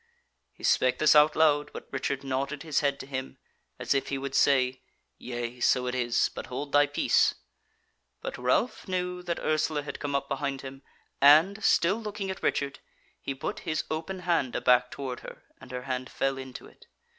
He spake this out loud, but Richard nodded his head to him, as if he would say: "Yea, so it is; but hold thy peace." But Ralph knew that Ursula had come up behind him, and, still looking at Richard, he put his open hand aback toward her, and her hand fell into it.